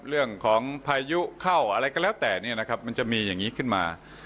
พายุเข้าอะไรก็แล้วแต่เนี่ยนะครับมันจะมีอย่างนี้ขึ้นมา